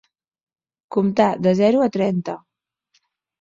Comptar de zero a trenta.